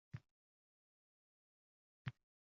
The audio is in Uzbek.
Rostini aytsam, hozirda dasturlash tendensiyasi kechmoqda.